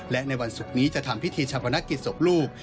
และในวันศุกร์นี้จะทำพิธีชาปนกิจศพลูก